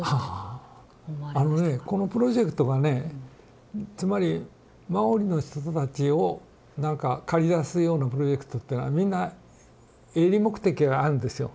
あのねこのプロジェクトがねつまりマオリの人たちをなんか駆り出すようなプロジェクトってのはみんな営利目的があるんですよ